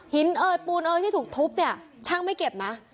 เอ่ยปูนเอ๋ยที่ถูกทุบเนี่ยช่างไม่เก็บนะ